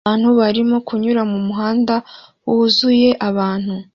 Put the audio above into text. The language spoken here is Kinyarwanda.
Abantu barimo kunyura mumuhanda wuzuye abantu